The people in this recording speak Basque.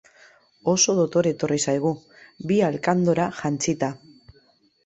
Oso dotore etorri zaigu, bi alkandora jantzita.